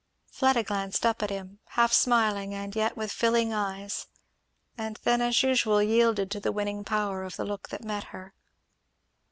Fleda glanced up at him, half smiling, and yet with filling eyes, and then as usual, yielded to the winning power of the look that met her.